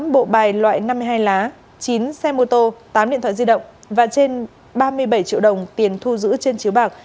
một mươi bộ bài loại năm mươi hai lá chín xe mô tô tám điện thoại di động và trên ba mươi bảy triệu đồng tiền thu giữ trên chiếu bạc